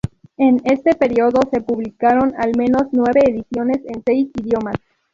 En este periodo se publicaron al menos nueve ediciones en seis idiomas.